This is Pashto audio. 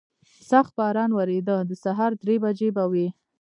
سخت باران ورېده، د سهار درې بجې به وې.